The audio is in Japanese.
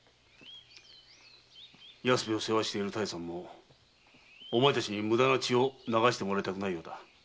安兵衛を世話している多江さんもお前たちに無駄な血を流してもらいたくないようだ。